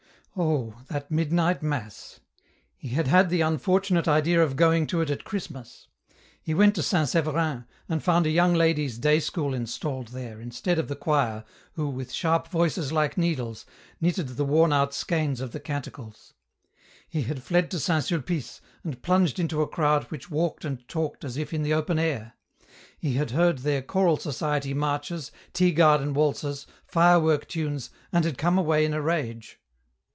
Oh ! that midnight mass ! He had had the unfortunate idea of going to it at Christmas. He went to St. Severin, and found a young ladies' day school installed there, instead of the choir, who, with sharp voices like needles, knitted the worn out skeins of the canticles. He had fled to St. Sulpice, and plunged into a crowd which walked and talked as if in the open air ; had heard there choral society marches, tea garden waltzes, firework tunes, and had come away in a rage.